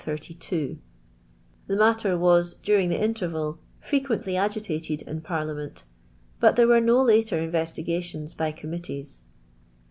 I The matter was during the interval frequently ! agitated in Parliament, but there were no later invcitigations by Committees.